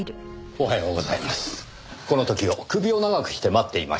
おはようございます。